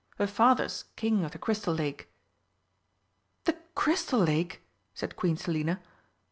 Her Father's King of the Crystal Lake." "The Crystal Lake!" cried Queen Selina.